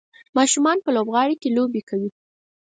ماشومان په لوبغالي کې لوبې کوي.